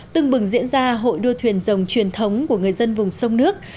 tưng bừng diễn ra hội đua thuyền rồng truyền thống của người dân vùng sông nước